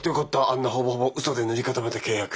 あんなほぼほぼ嘘で塗り固めた契約。